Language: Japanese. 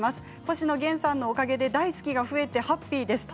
星野源さんのおかげで大好きが増えてハッピーです。